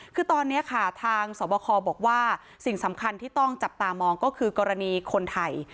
คือตอนนี้ค่ะทางสวบคบอกว่าสิ่งสำคัญที่ต้องจับตามองก็คือกรณีคนไทย